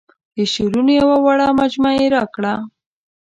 د شعرونو یوه وړه مجموعه یې راکړه.